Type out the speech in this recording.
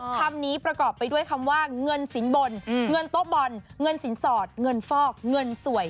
คำนี้ประกอบไปด้วยคำว่าเงินสินบนเงินโต๊ะบอลเงินสินสอดเงินฟอกเงินสวย